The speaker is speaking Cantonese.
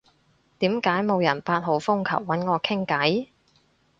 點解冇人八號風球搵我傾偈？